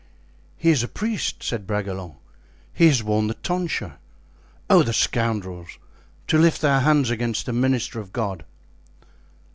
"He is a priest," said Bragelonne, "he has worn the tonsure. Oh, the scoundrels! to lift their hands against a minister of God."